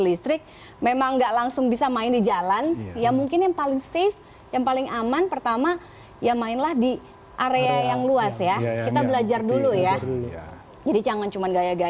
listrik memang enggak langsung bisa main di jalan yang mungkin yang paling safe yang paling aman pertama yang mainlah di areanya yang paling aman pertama ya mainlah di area yang paling aman dan yang paling baik itu sih